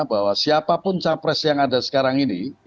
bahwa siapapun capres yang ada sekarang ini